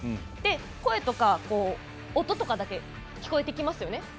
声とか音とかだけ聞こえてきますよね。